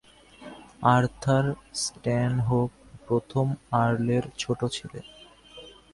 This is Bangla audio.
আর্থার স্ট্যানহোপ, প্রথম আর্লের ছোট ছেলে।